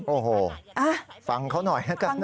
โอ้โฮฟังเขาหน่อยละกันนะ